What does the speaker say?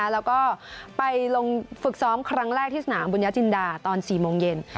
แล้วก็ไปลงฝึกซ้อมครั้งแรกที่สนามบุญญาจินดาตอน๔โมงเย็น